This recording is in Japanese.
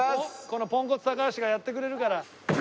このポンコツ高橋がやってくれるから。